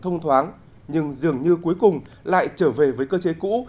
thông thoáng nhưng dường như cuối cùng lại trở về với cơ chế cũ